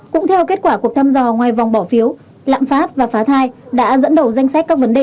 cũng theo kết quả cuộc thăm dò ngoài vòng bỏ phiếu lạm phát và phá thai đã dẫn đầu danh sách các vấn đề